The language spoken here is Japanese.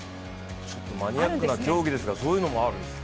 ちょっとマニアックな競技ですがそういうのもあるんです。